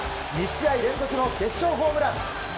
２試合連続の決勝ホームラン！